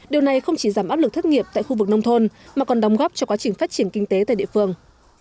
điều này không chỉ giảm áp lực thất nghiệp tại khu vực nông thôn mà còn đóng góp cho quá trình phát triển kinh tế tại địa phương